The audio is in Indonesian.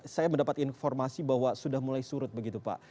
saya mendapat informasi bahwa sudah mulai surut begitu pak